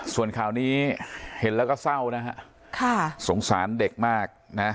ส่วนข่าวนี้เห็นแล้วก็เศร้านะฮะค่ะสงสารเด็กมากนะ